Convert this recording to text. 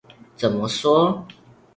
怎麼說？